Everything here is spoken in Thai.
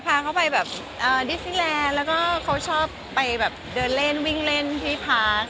พาเขาไปแบบดิสซิแลนด์แล้วก็เขาชอบไปแบบเดินเล่นวิ่งเล่นที่พัก